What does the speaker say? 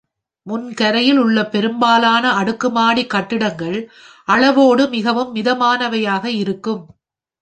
முன் கரையில் உள்ள பெரும்பாலான அடுக்குமாடி கட்டிடங்கள் அளவோடு மிகவும் மிதமானவையாக இருக்கும்.